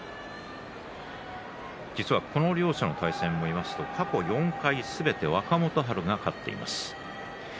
実はこの両者の対戦、過去４回すべて若元春が勝っています。